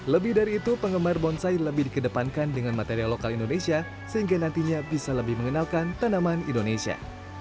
lebih dari itu penggemar bonsai lebih dikedepankan dengan material lokal indonesia sehingga nantinya bisa lebih mengenalkan tanaman indonesia